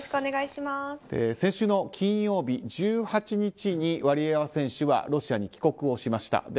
先週の金曜日１８日にワリエワ選手はロシアに帰国をしました。